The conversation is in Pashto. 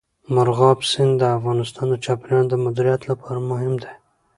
مورغاب سیند د افغانستان د چاپیریال د مدیریت لپاره مهم دی.